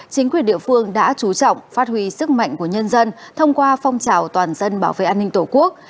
chính quyền địa phương đã chú trọng phát huy sức mạnh của nhân dân thông qua phong trào toàn dân bảo vệ an ninh tổ quốc